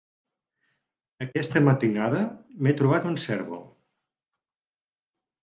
Aquesta matinada m'he trobat un cèrvol.